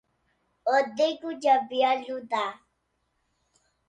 Rodrigo sabia lutar.